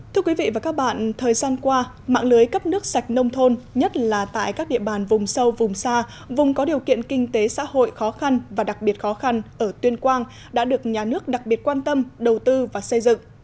thưa quý vị và các bạn thời gian qua mạng lưới cấp nước sạch nông thôn nhất là tại các địa bàn vùng sâu vùng xa vùng có điều kiện kinh tế xã hội khó khăn và đặc biệt khó khăn ở tuyên quang đã được nhà nước đặc biệt quan tâm đầu tư và xây dựng